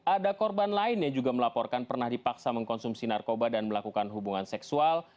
ada korban lain yang juga melaporkan pernah dipaksa mengkonsumsi narkoba dan melakukan hubungan seksual